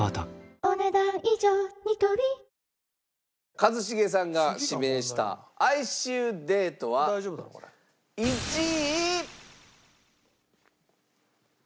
一茂さんが指名した『哀愁でいと』は１位。